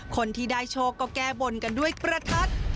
คนที่ได้โชคก็แก้บนกันด้วยประทัด